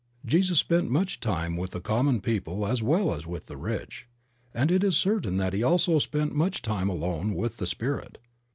Jesus spent much time with the common people as well as with the rich. And it is certain that he also spent much time alone with the Spirit.